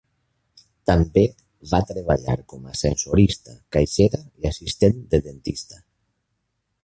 També va treballar com a ascensorista, caixera i assistent de dentista.